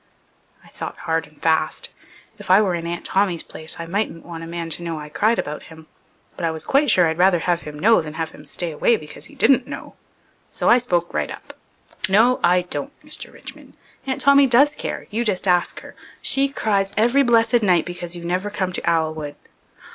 I thought hard and fast. If I were in Aunt Tommy's place I mightn't want a man to know I cried about him, but I was quite sure I'd rather have him know than have him stay away because he didn't know. So I spoke right up. "No, I don't, Mr. Richmond; Aunt Tommy does care you just ask her. She cries every blessed night because you never come to Owlwood."